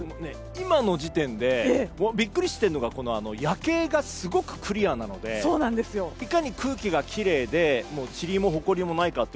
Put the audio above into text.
今の時点でびっくりしているのが夜景がすごくクリアなのでいかに空気がきれいでちりもほこりもないかって。